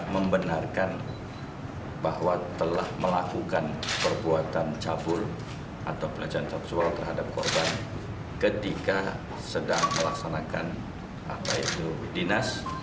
membenarkan bahwa telah melakukan perbuatan cabul atau pelecehan seksual terhadap korban ketika sedang melaksanakan dinas